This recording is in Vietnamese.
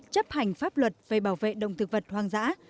chấp hành pháp luật về bảo vệ động thực vật hoang dã